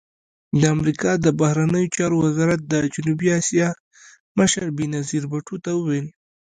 د امریکا د بهرنیو چارو وزارت د جنوبي اسیا مشر بېنظیر بوټو ته وویل